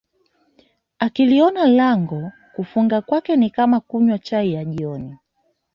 akiliona lango kufunga kwake ni kama kunywa chai ya jioni